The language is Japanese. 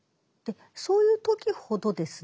そういう時ほどですね